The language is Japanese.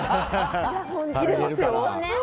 入れますよ。